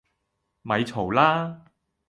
咪嘈啦